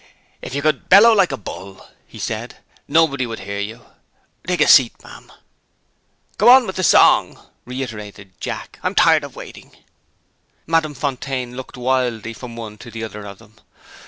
"If you could bellow like a bull," he said, "nobody would hear you. Take a seat, ma'am." "Go on with the song!" Jack reiterated. "I'm tired of waiting." Madame Fontaine looked wildly from one to the other of them.